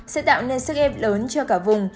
sẽ tạo nên sức ép lớn cho cả vùng